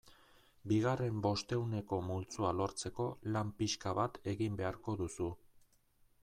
Bigarren bostehuneko multzoa lortzeko lan pixka bat egin beharko duzu.